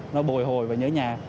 nó bồi hồi và nhớ nhà